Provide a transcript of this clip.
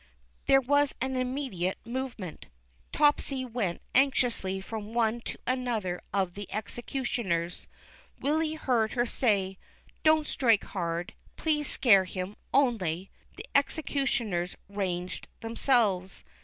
There was an immediate movement. Topsy went anxiously from one to another of the executioners. Willy heard her say: Don't strike hard. Please scare him, only." The executioners ranged themselves.